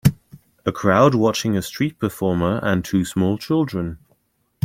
A crowd watching a street performer and two small children